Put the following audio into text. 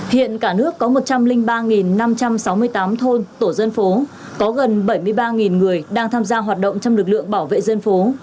hiện cả nước có một trăm linh ba năm trăm sáu mươi tám thôn tổ dân phố có gần bảy mươi ba người đang tham gia hoạt động trong lực lượng bảo vệ dân phố